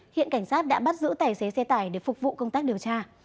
hiện cảnh sát đã bắt giữ tài xế xe tải để phục vụ công tác điều tra